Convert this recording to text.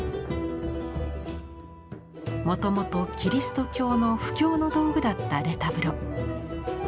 もともとキリスト教の布教の道具だったレタブロ。